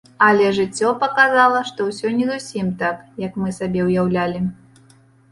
Але жыццё паказала, што ўсё не зусім так, як мы сабе ўяўлялі.